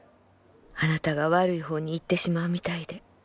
あなたが悪い方に行ってしまうみたいで」。